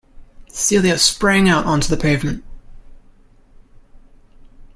Celia sprang out on to the pavement.